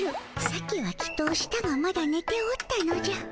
さっきはきっとしたがまだねておったのじゃ。